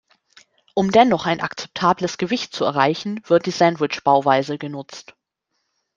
Um dennoch ein akzeptables Gewicht zu erreichen, wird die Sandwichbauweise genutzt.